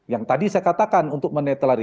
yang tadi saya katakan untuk menetralisi